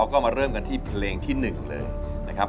ก็มาเริ่มกันที่เพลงที่๑เลยนะครับ